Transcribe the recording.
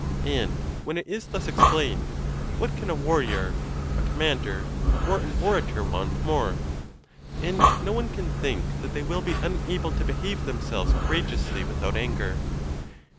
And when it is thus ex plained, what can a warrior, a commander, or an orator want more? And no one can think that they will be unable to behave themselves courageously without anger.